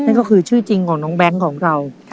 นั่นก็คือชื่อจริงของน้องแบงค์ของเรา